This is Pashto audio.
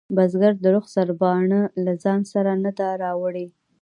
بزگر د زخ سرباڼه له ځانه سره نه ده راوړې.